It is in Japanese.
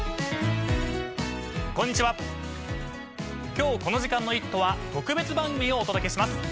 今日この時間の『イット！』は特別番組をお届けします。